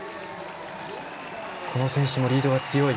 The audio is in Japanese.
この選手もリードは強い。